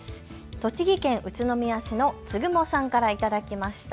栃木県宇都宮市のつぐもさんから頂きました。